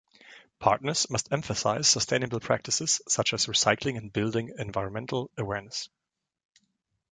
Partners must emphasize sustainable practices such as recycling and building environmental awareness.